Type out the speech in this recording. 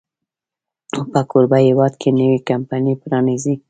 په کوربه هېواد کې نوې کمپني پرانیزي.